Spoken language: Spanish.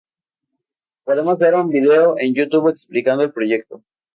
Podemos ver un video en youtube explicando el proyecto.